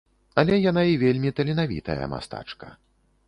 Але яна і вельмі таленавітая мастачка.